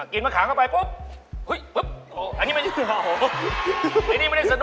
กินมะขามเข้าไปปุ๊บ